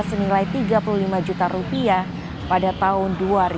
senilai rp tiga puluh lima juta pada tahun dua ribu delapan belas